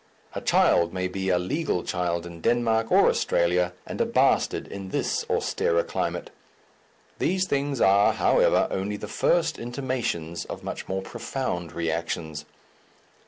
A child may be a legal child in Denmark or Australia, and a bastard in this austerer climate. These things are, however, only the first intimations of much more profound reactions.